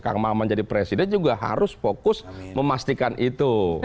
pak khamaman jadi presiden juga harus fokus memastikan itu